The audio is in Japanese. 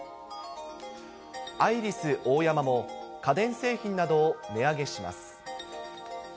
アイリスオーヤマも家電製品などを値上げします。